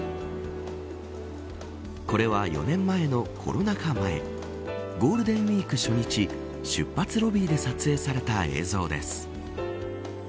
これは、４年前のコロナ禍前ゴールデンウイーク初日出発ロビーで撮影された映像です。